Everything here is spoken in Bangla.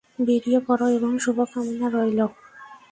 বেরিয়ে পড়ো এবং শুভকামনা রইলো।